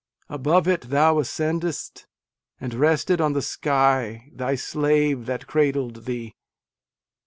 above it thou ascended st, And rested on the sky, thy slave that . cradled thee